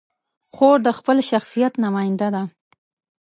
خور د خپل شخصیت نماینده ده.